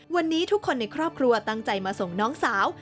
วันนี้ทุกคนในครอบครัวตั้งใจมาส่งน้องสาว